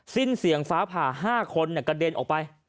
สิ้นเสียงฟ้าผ่า๕คนกระเด็นออกไป